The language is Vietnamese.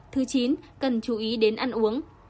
thứ chín cần chú ý đến ăn uống